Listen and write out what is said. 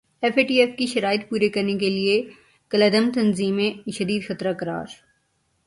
F A T F کی شرائط پوری کرنے کیلئے کالعدم تنظیمیںشدید خطرہ قرار